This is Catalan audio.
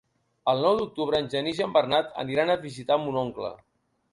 El nou d'octubre en Genís i en Bernat aniran a visitar mon oncle.